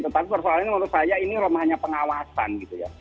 tetapi persoalannya menurut saya ini rumahnya pengawasan gitu ya